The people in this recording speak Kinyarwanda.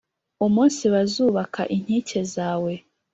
Umunsi bazubaka inkike zawe